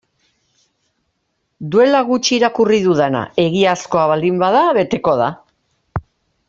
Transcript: Duela gutxi irakurri dudana egiazkoa baldin bada beteko da.